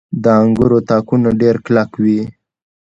• د انګورو تاکونه ډېر کلک وي.